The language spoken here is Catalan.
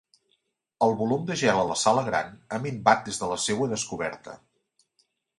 El volum de gel a la sala Gran ha minvat des de la seua descoberta.